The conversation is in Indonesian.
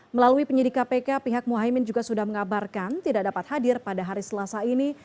melalui penyidik kpk pihak muhaymin juga sudah mengabarkan tidak dapat hadir pada hari selasa ini